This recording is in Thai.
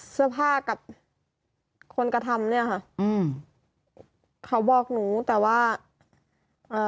เสื้อผ้ากับคนกระทำเนี้ยค่ะอืมเขาบอกหนูแต่ว่าเอ่อ